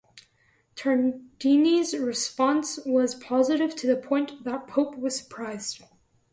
Tardini's response was positive to the point that the Pope was surprised.